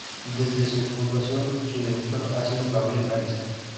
Desde su fundación su director ha sido Gabriel Ariza.